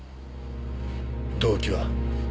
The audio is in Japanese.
動機は？